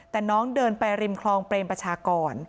แต่น้องเดินไปริมคลองเปรมประชากร